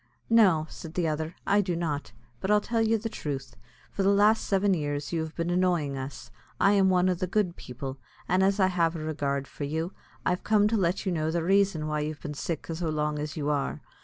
"No," said the other, "I do not; but I'll tell you the truth: for the last seven years you have been annoying us. I am one o' the good people; an' as I have a regard for you, I'm come to let you know the raison why you've been sick so long as you are.